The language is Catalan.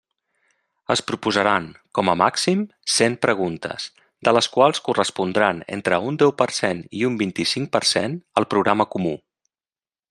Es proposaran, com a màxim, cent preguntes, de les quals correspondran entre un deu per cent i un vint-i-cinc per cent al programa comú.